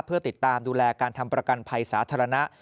เพื่อติดตามดูแลการทำประกันภัยสาธารณะ